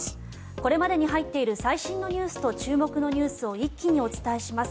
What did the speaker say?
これまでに入っている最新ニュースと注目ニュースを一気にお伝えします。